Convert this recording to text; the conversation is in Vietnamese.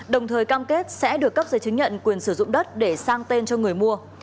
đồng thời cam kết sẽ được cấp giấy chứng nhận quyền sử dụng đất để sang tên cho người mua